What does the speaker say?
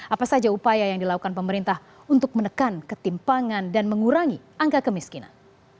apa saja upaya yang dilakukan pemerintah untuk menekan ketimpangan dan mengurangi angka kemiskinan